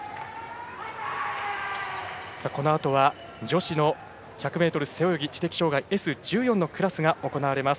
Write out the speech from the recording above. このあとは女子の１００ｍ背泳ぎ知的障がいＳ１４のクラスが行われます。